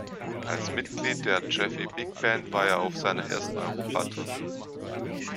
Als Mitglied der Chaffey Big Band war er auf seiner ersten Europa-Tournee.